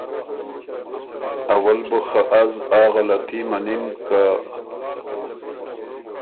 ”اول بُو خه از آ غلطي مَنِم که“